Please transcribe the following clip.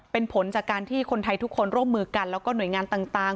เป็นผลจากการที่คนไทยทุกคนร่วมมือกันแล้วก็หน่วยงานต่าง